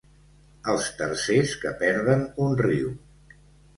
Els tercers que perden un riu.